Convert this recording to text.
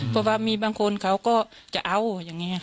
เพราะว่ามีบางคนเขาก็จะเอาอย่างนี้